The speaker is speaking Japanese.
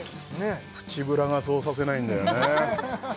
「プチブラ」がそうさせないんだよね